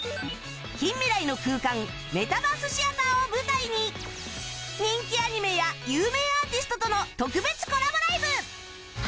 近未来の空間メタバースシアターを舞台に人気アニメや有名アーティストとの特別コラボライブ！